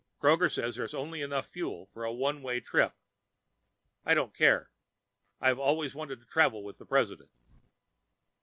Kroger says there's only enough fuel for a one way trip. I don't care. I've always wanted to travel with the President.